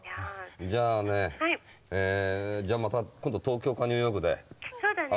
じぁあねじゃあまた今度東京かニューヨークで会おうね。